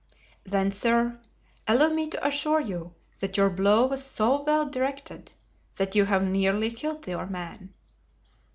"Then, sir, allow me to assure you that your blow was so well directed that you have nearly killed your man."